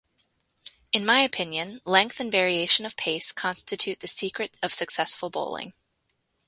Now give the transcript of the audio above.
In my opinion, length and variation of pace constitute the secret of successful bowling.